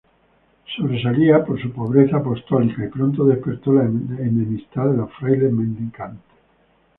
Sobresalía por su pobreza apostólica y pronto despertó la enemistad de los frailes mendicantes.